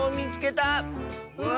うわ！